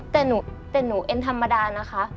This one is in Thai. แต่หนูแต่หนูเอ็นธรรมดานะคะ